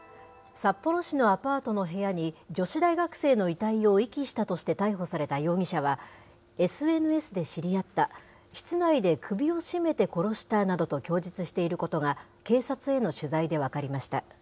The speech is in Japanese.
札幌市のアパートの部屋に女子大学生の遺体を遺棄したとして逮捕された容疑者は、ＳＮＳで知り合った、室内で首を絞めて殺したなどと供述していることが、警察への取材で分かりました。